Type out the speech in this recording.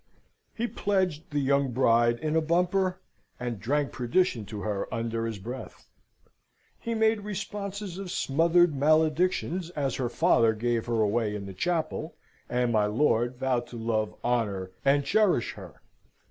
He pledged the young bride in a bumper, and drank perdition to her under his breath. He made responses of smothered maledictions as her father gave her away in the chapel, and my lord vowed to love, honour and cherish her.